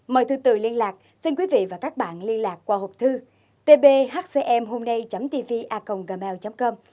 mời thư tử liên lạc xin quý vị và các bạn liên lạc qua hộp thư tbhcmhômnay tvacomgmail com